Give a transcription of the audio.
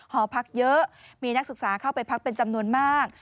หอพักเยอะมีนักศึกษาเข้าไปพักเป็นจำนวนมาก